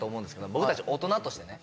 僕達大人としてね